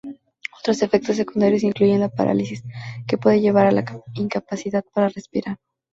Otros efectos secundarios incluyen la parálisis, que puede llevar a la incapacidad para respirar.